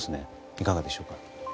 いかがでしょう。